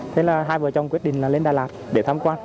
thế là hai vợ chồng quyết định là lên đà lạt để tham quan